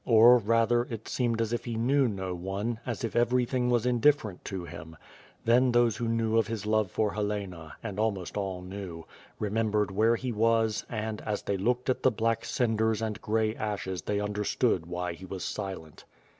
Or, rather, it seemed as if he knew no one, as if everything was indiiferent to him. Then those who knew of his love for Helena, and almost all knew, re memebered where he was and, as they looked at the black cinders and grey ashes they understood why he was silent.